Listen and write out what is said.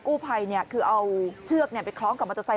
กู้ภัยคือเอาเชือกไปคล้องกับมอเตอร์ไซค